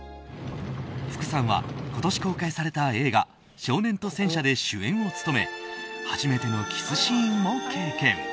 福さんは今年公開された映画「少年と戦車」で主演を務め初めてのキスシーンも経験。